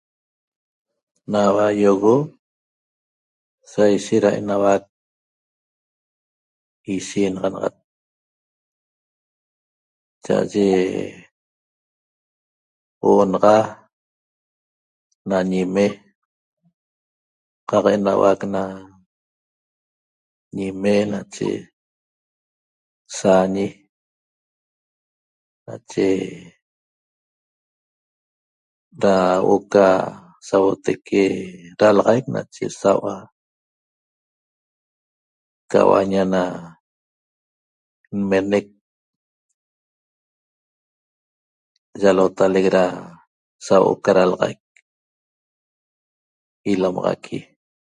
Naua iogo saishet ra enauac ishenaxanaxat cha'aye huo'o naxa na ñime qaq enauac na ñime nache saañi nache da huo'o ca sauotaique ralaxaic nache saua' ca huaña na nmenec yalotalec ra sauo'o ca ralaxaic ilomaxaqui